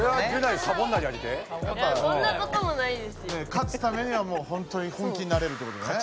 勝つためにはもうほんとに本気になれるってことね。